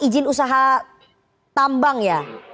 ijin usaha tambang ya